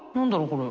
これ。